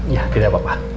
ya tidak apa apa